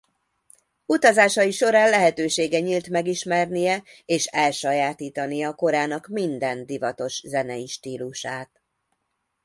Utazásai során lehetősége nyílt megismernie és elsajátítania korának minden divatos zenei stílusát.